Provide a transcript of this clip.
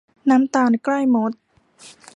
น้ำตาลใกล้มด